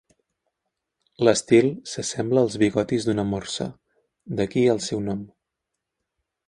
L'estil s'assembla als bigotis d'una morsa, d'aquí el seu nom.